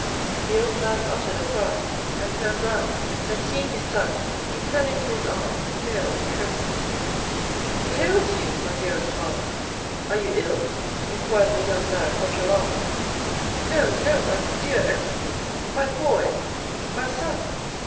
The old man uttered a cry, and turned round; then, seeing his son, he fell into his arms, pale and trembling. "What ails you, my dearest father? Are you ill?" inquired the young man, much alarmed. "No, no, my dear Edmond—my boy—my son!